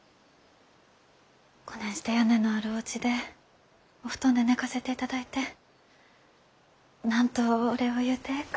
こねんして屋根のあるおうちでお布団で寝かせていただいて何とお礼を言うてええか。